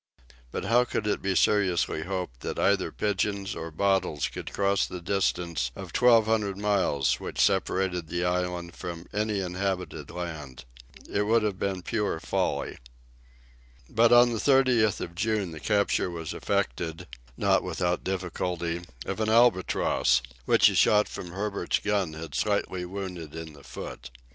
But how could it be seriously hoped that either pigeons or bottles could cross the distance of twelve hundred miles which separated the island from any inhabited land? It would have been pure folly. But on the 30th of June the capture was effected, not without difficulty, of an albatross, which a shot from Herbert's gun had slightly wounded in the foot.